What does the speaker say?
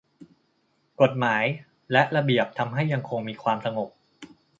กฎหมายและระเบียบทำให้ยังคงมีความสงบ